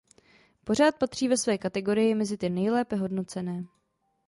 Pořad patří ve své kategorii mezi ty nejlépe hodnocené.